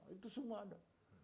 itu semua ada